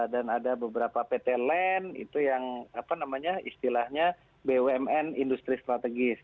dan ada beberapa pt len itu yang istilahnya bumn industri strategis